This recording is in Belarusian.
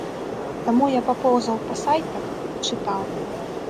Таму я папоўзаў па сайтах, пачытаў.